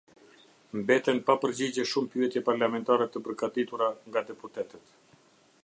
Mbeten pa përgjigje shumë pyetje parlamentare të përgatitura nga deputetët.